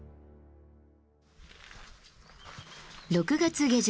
６月下旬。